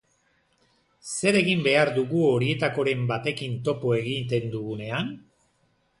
Zer egin behar dugu horietakoren batekin topo egiten dugunean?